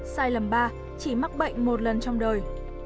sai lầm ba chỉ mắc bệnh một lần trong đời